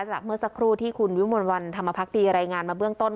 เมื่อสักครู่ที่คุณวิมวลวันธรรมพักดีรายงานมาเบื้องต้น